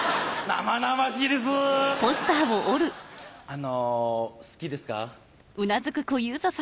あの好きですか？